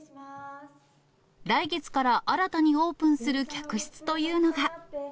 来月から新たにオープンする客室というのが。